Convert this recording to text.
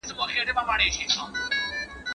که د ښځي کورنۍ د ښځي پر هلاکت بيريدل.